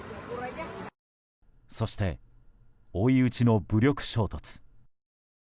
そして、追い打ちの武力衝突。